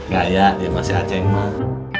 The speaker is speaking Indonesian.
gaya dia masih aceng mak